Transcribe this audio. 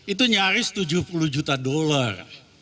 itu nyaris tujuh puluh juta dolar